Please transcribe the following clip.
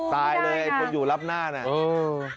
ตายเลยไอ้คนอยู่รับหน้าเนี่ย